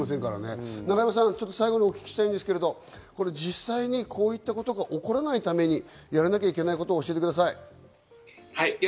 最後にお聞きしたいんですけれども、実際にこういったことが起こらないために、やらなきゃいけないことを教えてください。